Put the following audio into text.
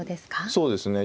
そうですね。